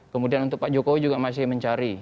kemudian untuk pak jokowi juga masih mencari